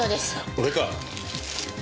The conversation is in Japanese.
俺か。